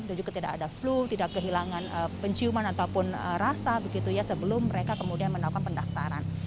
lalu tidak kehilangan penciuman ataupun rasa begitu ya sebelum mereka kemudian menawarkan pendaftaran